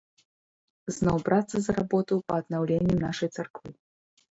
Зноў брацца за работу па аднаўленні нашай царквы.